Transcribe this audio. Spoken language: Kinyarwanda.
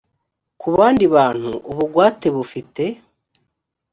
ku bandi bantu ubugwate bufite